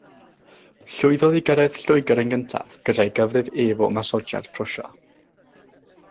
Llwyddodd i gyrraedd Lloegr yn gyntaf gyda'i gyfrif ef o ymosodiad Prwsia.